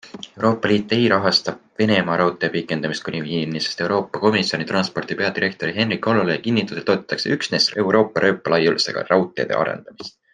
Euroopa Liit ei rahasta Venemaa raudtee pikendamist kuni Viinini, sest Euroopa Komisjoni transpordi peadirektori Henrik Hololei kinnitusel toetatakse üksnes Euroopa rööpalaiusega raudteede arendamist.